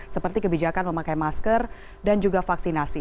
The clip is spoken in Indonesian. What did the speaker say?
seperti kebijakan memakai masker dan juga vaksinasi